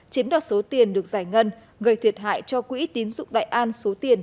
chiếm đoạt số tiền được giải ngân gây thiệt hại cho quỹ tín dụng đại an số tiền